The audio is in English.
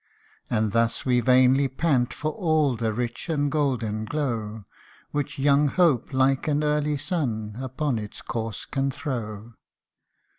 And thus we vainly pant for all the rich and golden glow, Which young hope, like an early sun, upon its course can throw.